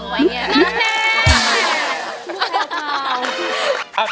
ไม่เป็นเปล่า